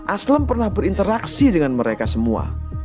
aslam pernah berinteraksi dengan mereka semua